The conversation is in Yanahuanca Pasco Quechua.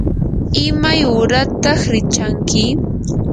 ¿imay uurataq rikchanki?